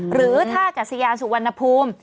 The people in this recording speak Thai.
หรือท่ากัศยานสุวรรณภูมิ